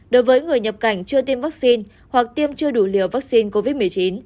đối với người nhập cảnh chưa tiêm vaccine hoặc tiêm chưa đủ liều vaccine covid một mươi chín